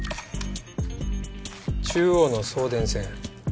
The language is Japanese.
中央の送電線。